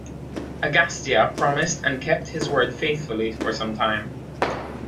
Agastya promised and kept his word faithfully for some time.